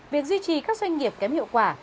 việc duy trì các doanh nghiệp kém hiệu quả